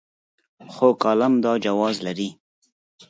خو کالم دا جواز لري.